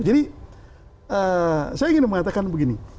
jadi saya ingin mengatakan begini